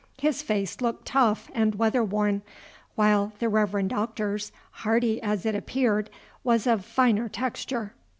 His face looked tough and weather worn; while the Reverend Doctor's, hearty as it appeared, was of finer texture.